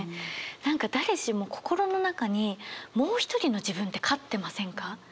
何か誰しも心の中にもう一人の自分って飼ってませんか？